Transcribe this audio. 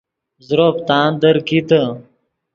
زروپ تاندیر کیتے